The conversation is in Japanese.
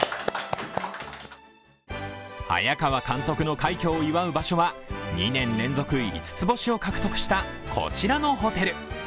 早川監督の快挙を祝う場所は２年連続五つ星を獲得したこちらのホテル。